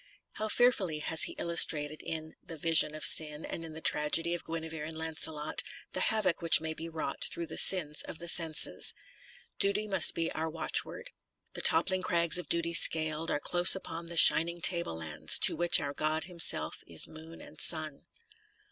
How fearfully has he illustrated in the " Vision of Sin," and in the tragedy of Guinevere and Lancelot, the havoc which may be wrought through the sins of the senses. Duty must be our watchword : The toppKng crags of Duty scaled Are close upon the shining tablelands To which our God Himself is moon and sun.